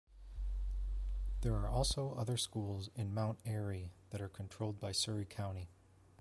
There are also other schools in Mount Airy that are controlled by Surry County.